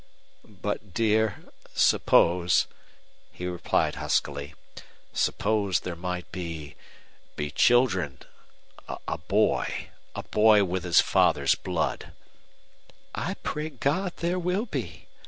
"But, dear suppose," he replied, huskily, "suppose there might be be children a boy. A boy with his father's blood!" "I pray God there will be.